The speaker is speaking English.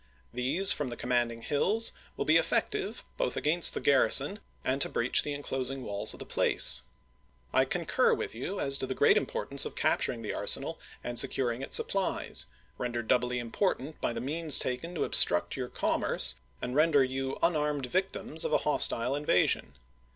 These from the commanding hills will be effective, both against the garrison and to breach the inclosing walls of the place. I concur with you as to the great importance of capturing the arsenal and secur ing its supplies, rendered doubly important by the means taken to obstruct your commerce and render you un armed victims of a hostile invasion.